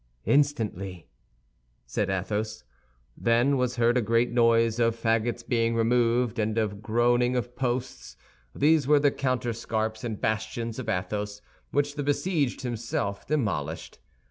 "Instantly," said Athos. Then was heard a great noise of fagots being removed and of the groaning of posts; these were the counterscarps and bastions of Athos, which the besieged himself demolished.